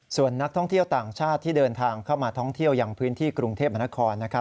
ส่วนนักท่องเที่ยวต่างชาติที่เดินทางเข้ามาท่องเที่ยวยังพื้นที่กรุงเทพมนครนะครับ